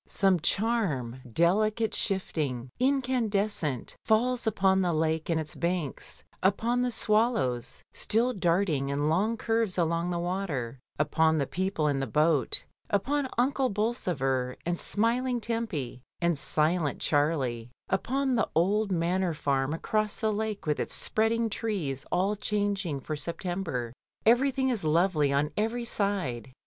Some charm, delicate, shifting, incandescent, falls upon the lake, and its banks, upon the swallows still darting in long curves along the water, upon the people in the boat, upon Uncle Bolsover and smiling Tempy, and silent Charlie; upon the old Manor Farm across the lake with its spreading trees all changing for September. Everything is lovely on every side.